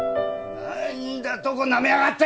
何だとなめやがって！